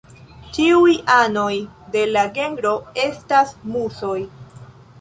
Ĉiuj anoj de la genro estas musoj.